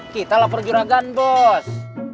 kita lapor juragan bos